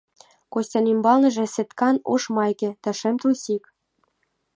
Костян ӱмбалныже сеткан ош майка да шем трусик.